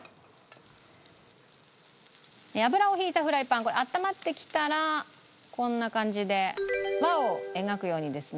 油を引いたフライパンあったまってきたらこんな感じで輪を描くようにですね